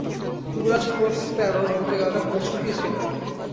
যুবরাজ প্রসপ্যারো বলতে গেলে বেশ সুখীই ছিলেন।